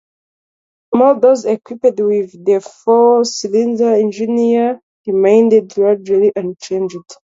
Models equipped with the four-cylinder engine remained largely unchanged.